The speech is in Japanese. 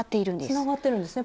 つながってるんですね